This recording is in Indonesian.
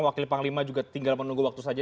wakil panglima juga tinggal menunggu waktu saja